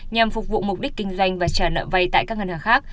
nhằm phục vụ mục đích kinh doanh và trả nợ vay tại các ngân hàng khác